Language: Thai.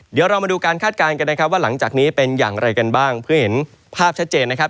เดี๋ยวเรามาดูการคาดการณ์กันนะครับว่าหลังจากนี้เป็นอย่างไรกันบ้างเพื่อเห็นภาพชัดเจนนะครับ